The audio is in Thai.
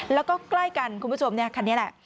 แล้วก็ใกล้กันคุณผู้ชมคันนี้แหละ